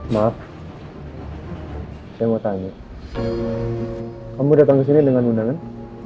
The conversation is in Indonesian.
maaf saya mau tanya kamu datang ke sini dengan undangan